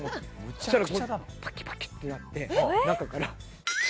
そしたらパキパキッてなって。